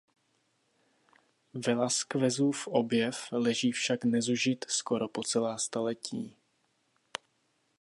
Velazquezův objev leží však nezužit skoro po celá staletí.